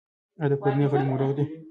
ایا د کورنۍ غړي مو روغ دي؟